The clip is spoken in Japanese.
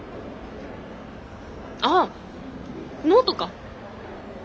ああノートか。